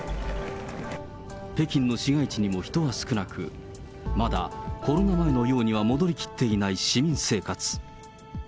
北京の市街地にも人は少なく、まだコロナ前のようには戻りきっていない市民生活。